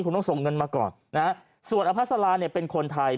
คุณต้องส่งเงินมาก่อนส่วนอภัศราเป็นคนไทย